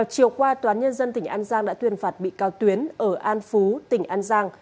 chiều qua toán nhân dân tỉnh an giang đã tuyên phạt bị cao tuyến ở an phú tỉnh an giang